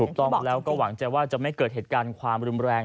ถูกต้องแล้วก็หวังใจว่าจะไม่เกิดเหตุการณ์ความรุนแรง